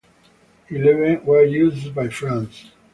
Eleven were used by France.